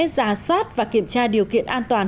ra soát và kiểm tra điều kiện an toàn